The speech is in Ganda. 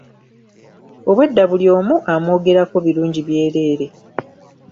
Obwedda buli omu amwogerako birungi byerere.